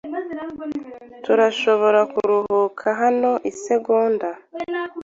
Turashobora kuruhuka hano isegonda?